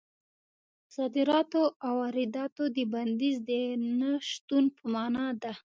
په صادراتو او وارداتو د بندیز د نه شتون په مانا ده.